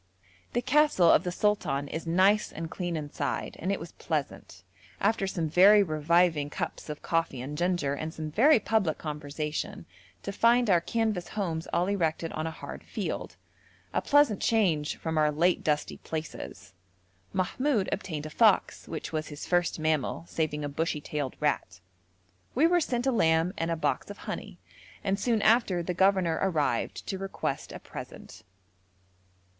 The castle of the sultan is nice and clean inside, and it was pleasant, after some very reviving cups of coffee and ginger, and some very public conversation, to find our canvas homes all erected on a hard field a pleasant change from our late dusty places. Mahmoud obtained a fox, which was his first mammal, saving a bushy tailed rat. We were sent a lamb and a box of honey, and soon after the governor arrived to request a present.